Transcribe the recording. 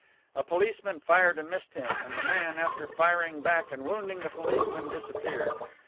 A policeman fired and missed him, and the man, after firing back and wounding the policeman, disappeared.